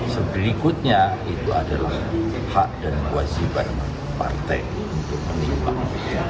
sebelikutnya itu adalah hak dan kewajiban partai untuk menimbang